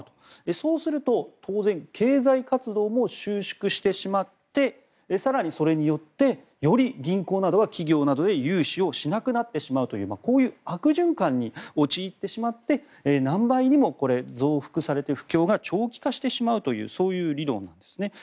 そうすると当然経済活動も収縮してしまって更にそれによってより銀行などは企業などへ融資をしなくなってしまうというこういう悪循環に陥ってしまって何倍にも増幅されて不況が長期化してしまうというそういう理論なんです。